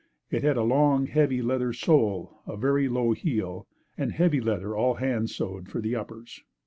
It had a long, heavy sole leather sole, a very low heel and heavy leather all hand sewed, for the uppers.